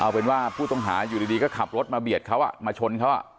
เอาเป็นว่าผู้ต้องหาอยู่ดีก็ขับรถมาเบียดเขามาชนเขา